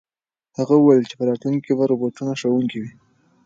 هغه وویل چې په راتلونکي کې به روبوټونه ښوونکي وي.